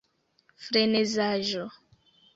frenezaĵo